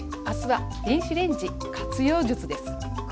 明日は「電子レンジ活用術」です。